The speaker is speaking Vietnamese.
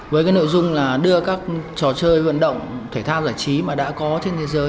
với cái nội dung là đưa các trò chơi vận động thể thao giải trí mà đã có trên thế giới